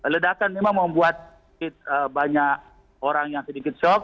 ledakan memang membuat sedikit banyak orang yang sedikit shock